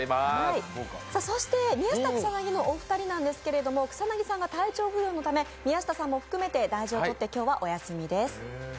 そして宮下草薙のお二人なんですけど、草薙さんが体調不良のため宮下さんも含めて大事を取って今日はお休みです。